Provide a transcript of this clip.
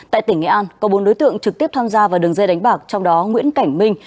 tại tỉnh nghệ an có bốn đối tượng trực tiếp tham gia vào đường dây đánh bạc trong đó nguyễn cảnh minh